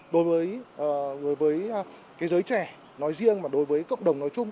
đối với giới trẻ nói riêng và đối với cộng đồng nói chung